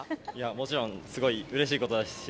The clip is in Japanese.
もちろんすごいうれしいことですし